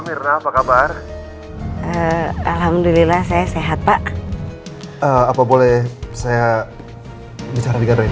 mirna apa kabar alhamdulillah saya sehat pak apa boleh saya bisa lebih keren